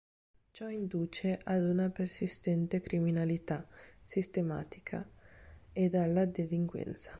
Ciò induce ad una persistente criminalità "sistematica" ed alla delinquenza.